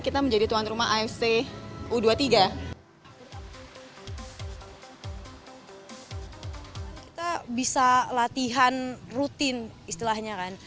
kita bisa latihan rutin istilahnya kan